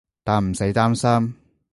但唔使擔心